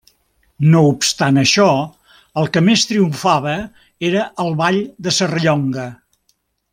No obstant això, el que més triomfava era el ball de Serrallonga.